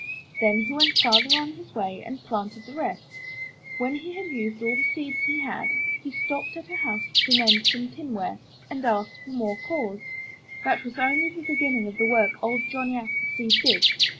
Then he went, farther on his way and planted the rest. When he had used all the seeds he had, he stopped at a house to mend some tinware, and asked for more cores. That was only the beginning of the work Old Johnny Appleseed did.